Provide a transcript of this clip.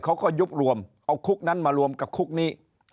ยุบรวมเอาคุกนั้นมารวมกับคุกนี้